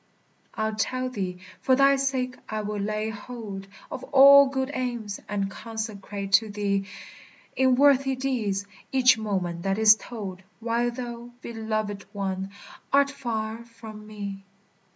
I'll tell thee; for thy sake I will lay hold Of all good aims, and consecrate to thee, In worthy deeds, each moment that is told While thou, belovèd one! art far from me.